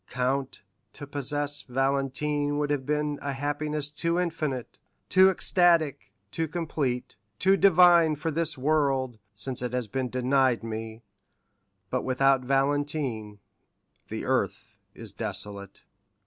Count, to possess Valentine would have been a happiness too infinite, too ecstatic, too complete, too divine for this world, since it has been denied me; but without Valentine the earth is desolate."